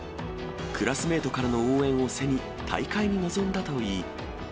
クラスメートからの応援を背に大会に臨んだといい。